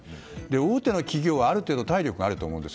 大手の企業はある程度体力があると思うんです。